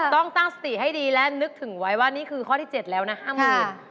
ต้องตั้งสติให้ดีและนึกถึงไว้ว่านี่คือข้อที่๗แล้วนะ๕๐๐๐บาท